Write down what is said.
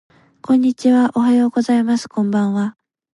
こんにちはおはようございますこんばんは